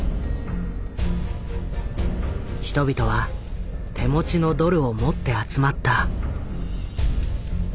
人々は手持ちのドルを持って集まった。